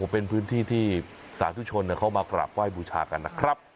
เป็นพื้นที่ที่สาธุชนเขามากราบไห้บูชากันนะครับ